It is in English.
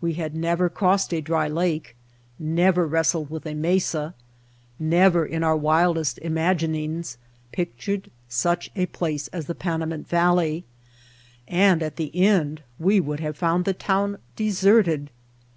We had never White Heart of Mojave crossed a dry lake, never wrestled with a mesa, never in our wildest imaginings pictured such a place as the Panamint Valley, — and at the end we would have found the town deserted!